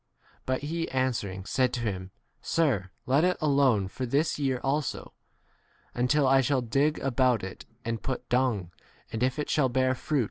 8 But he answering said to him, Sir, let it alone for this year also, until I shall dig about it and put dung, 9 and if it shall bear fruit — but if have to do.